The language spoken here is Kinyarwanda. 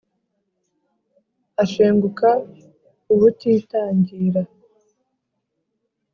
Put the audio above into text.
ashenguka ubutitangira.